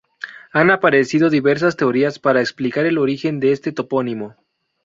Han aparecido diversas teorías para explicar el origen de este topónimo.